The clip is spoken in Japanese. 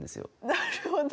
なるほど。